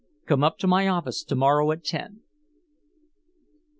Come up to my office to morrow at ten."